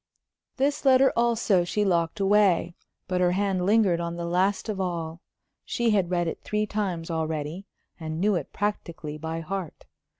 This letter also she locked away. But her hand lingered on the last of all. She had read it three times already, and knew it practically by heart.